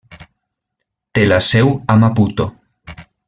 Té la seu a Maputo.